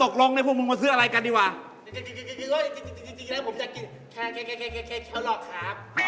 เป็นแค่ผมดูแลเขาครับเป็นคนแค่